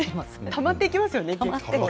たまっていきますよね。